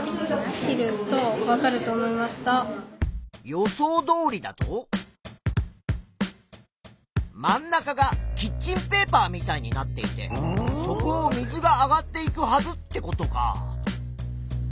予想どおりだと真ん中がキッチンペーパーみたいになっていてそこを水が上がっていくはずってことか。